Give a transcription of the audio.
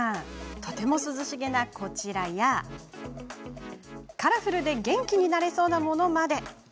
とても涼しげなこちらやカラフルで元気になれそうなものまで。